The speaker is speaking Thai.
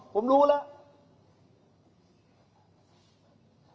ผมรู้แล้ว